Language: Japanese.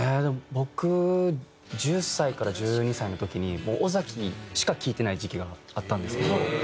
僕１０歳から１２歳の時に尾崎しか聴いてない時期があったんですけど。